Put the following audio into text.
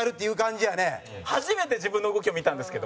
初めて自分の動きを見たんですけど。